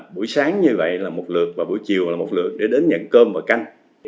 buổi sáng như vậy là một lượt và buổi chiều là một lượt để đến nhận cơm và canh